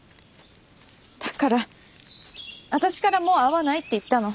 だから私からもう会わないって言ったの。